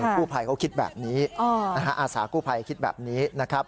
กู้ภัยเขาคิดแบบนี้อาสากู้ภัยคิดแบบนี้นะครับ